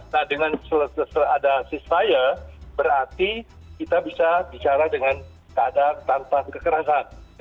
nah dengan selesai ada sistire berarti kita bisa bicara dengan keadaan tanpa kekerasan